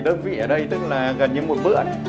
đơn vị ở đây tức là gần như một bữa